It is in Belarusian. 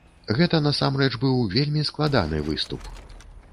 Гэта насамрэч быў вельмі складаны выступ.